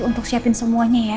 untuk siapin semuanya ya